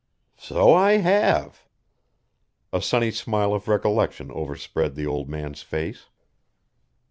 "So I have!" A sunny smile of recollection overspread the old man's face.